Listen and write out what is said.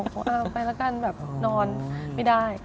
บอกเออไปแล้วกันแบบนอนไม่ได้